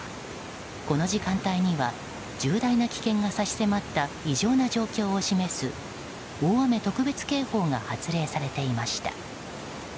この時間帯には重大な危険が差し迫った異常な状況を示す大雨特別警報が発令されていました。